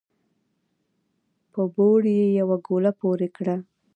په بوړ يې يوه ګوله پورې کړه